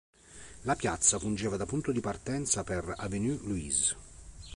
La piazza fungeva da punto di partenza per Avenue Louise.